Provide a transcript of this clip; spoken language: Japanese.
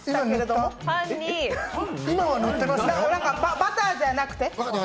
バターじゃなくて？